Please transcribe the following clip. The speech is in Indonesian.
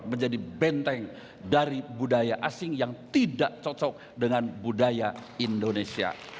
menjadi benteng dari budaya asing yang tidak cocok dengan budaya indonesia